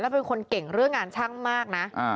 เป็นคนเก่งเรื่องงานช่างมากนะ